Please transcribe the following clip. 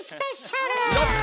よっ！